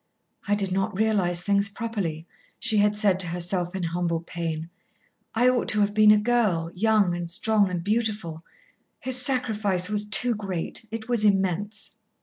"I did not realise things properly," she had said to herself in humble pain. "I ought to have been a girl, young and strong and beautiful. His sacrifice was too great, it was immense."